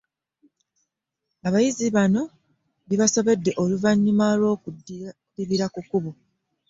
Abayizi bano bibasobedde oluvannyuma lwokudibira ku kkubo.